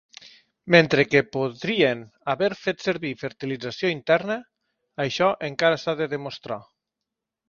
Mentre que podrien haver fet servir fertilització interna, això encara s'ha de demostrar.